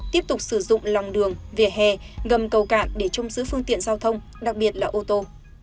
tiếp tục sử dụng lòng đường vỉa hè ngầm cầu cạn để trông giữ phương tiện giao thông đặc biệt là ô tô